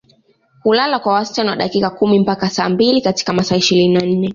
Hulala kwa wastani wa dakika kumi mpaka saa mbili katika masaa ishirini na nne